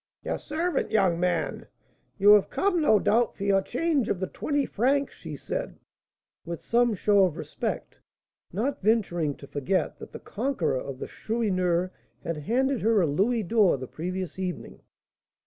"Your servant, young man; you have come, no doubt, for your change of the twenty francs," she said, with some show of respect, not venturing to forget that the conqueror of the Chourineur had handed her a louis d'or the previous evening.